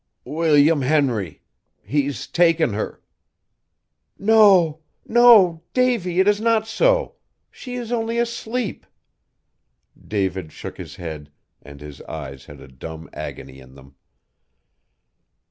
"William Henry! He's taken her!" "No, no! Davy, it is not so, she is only asleep." David shook his head and his eyes had a dumb agony in them.